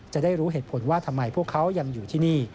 จะได้รู้เหตุผลว่าทำไมพวกเขายังอยู่ที่นี่